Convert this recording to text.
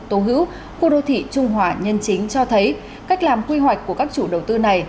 tố hữu khu đô thị trung hòa nhân chính cho thấy cách làm quy hoạch của các chủ đầu tư này